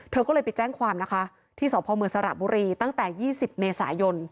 เธอก็เลยไปแจ้งความนะคะที่สพมสระบุรีตั้งแต่๒๐เมษายน